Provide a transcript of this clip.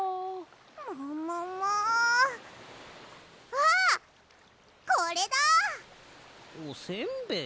あっこれだ！おせんべい？